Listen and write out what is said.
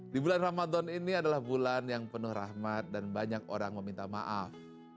di bulan ramadan ini adalah bulan yang penuh rahmat dan banyak orang meminta maaf